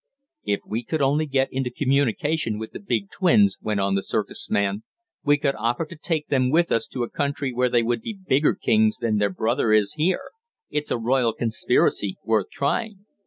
"If we could only get into communication with the big twins," went on the circus man, "we could offer to take them with us to a country where they would be bigger kings than their brother is here. It's a royal conspiracy worth trying."